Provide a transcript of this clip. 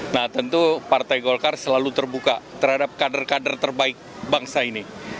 nah tentu partai golkar selalu terbuka terhadap kader kader terbaik bangsa ini